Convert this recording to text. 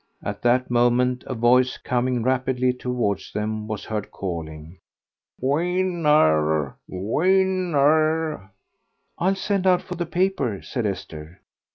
At that moment a voice coming rapidly towards them was heard calling, "Win ner, win ner!" "I'll send out for the paper," said Esther.